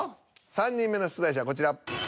３人目の出題者はこちら。